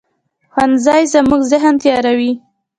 ښوونځی زموږ ذهن تیاروي